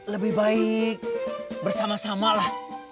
lebih baik bersama sama lah